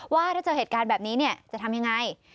ว่าถ้าเจอเหตุการณ์แบบนี้จะทำยังไง